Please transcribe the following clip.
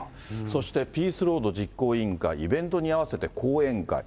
そしてピースロード実行委員会、イベントに合わせて講演会。